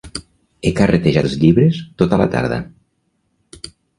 He carretejat els llibres tota la tarda.